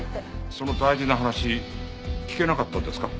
その大事な話聞けなかったんですか？